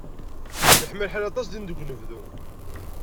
Yeḥma lḥal aṭas din deg unebdu.